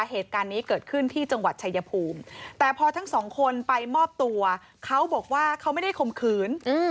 เหตุการณ์นี้เกิดขึ้นที่จังหวัดชายภูมิแต่พอทั้งสองคนไปมอบตัวเขาบอกว่าเขาไม่ได้ข่มขืน